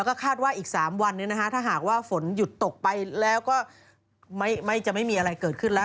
พอมาขึ้นตรงก็คงใกล้หูใกล้ตา